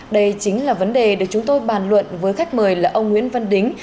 đây chính là vấn đề được chúng tôi bàn luận với khách mời là ông nguyễn văn đính